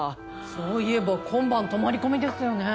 そういえば今晩泊まり込みですよね。